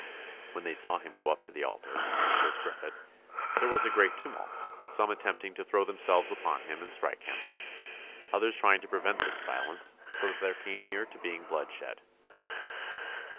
"When they saw him go up to the altar," says Griffet, "there was a great tumult, some attempting to throw themselves upon him and strike him, others trying to prevent this violence, so that there came near to being blood shed."